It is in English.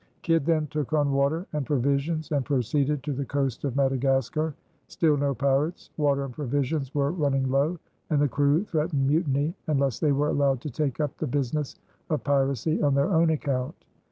Kidd then took on water and provisions and proceeded to the coast of Madagascar. Still no pirates. Water and provisions were running low, and the crew threatened mutiny unless they were allowed to take up the business of piracy on their own account.